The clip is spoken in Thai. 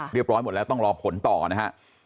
เรียบร้อยหมดแล้วต้องรอผลต่อนะฮะ